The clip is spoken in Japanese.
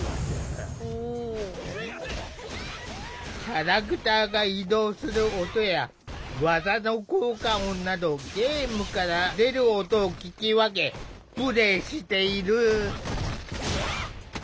キャラクターが移動する音や技の効果音などゲームから出る音を聞き分けプレイしている。